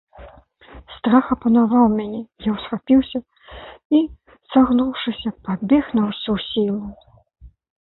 Страх апанаваў мяне, я ўсхапіўся і, сагнуўшыся, пабег на ўсю сілу.